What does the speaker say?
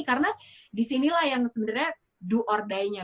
karena di sinilah yang sebenarnya do or die nya